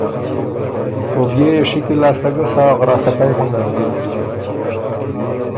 او بيې يې شِکل لاسته ګه سا غراسَکئ غُندک بيوک